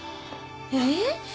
えっ？